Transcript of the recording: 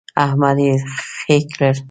احمد يې خې کړ.